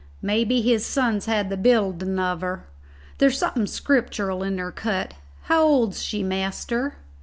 Mebbe his sons had the building of her. There's something scriptural in her cut. How old's she, master?"